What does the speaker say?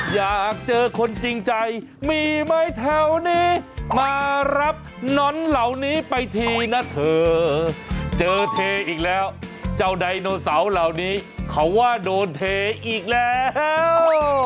อยากเจอคนจริงใจมีไหมแถวนี้มารับน้อนเหล่านี้ไปทีนะเธอเจอเทอีกแล้วเจ้าไดโนเสาร์เหล่านี้เขาว่าโดนเทอีกแล้ว